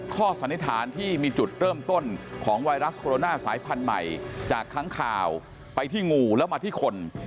สันนิษฐานที่มีจุดเริ่มต้นของไวรัสโคโรนาสายพันธุ์ใหม่จากค้างข่าวไปที่งูแล้วมาที่คน